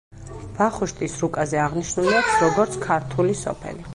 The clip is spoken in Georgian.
ვახუშტის რუკაზე აღნიშნული აქვს, როგორც ქართული სოფელი.